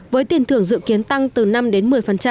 với tiền thưởng dự kiến tăng từ năm đến một mươi